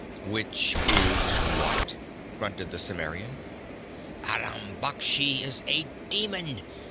'Which proves what?' grunted the Cimmerian. 'Aram Baksh is a demon!